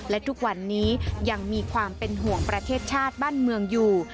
และทุกวันนี้ยังมีความเป็นห่วงประเทศชาติบ้านเมืองอยู่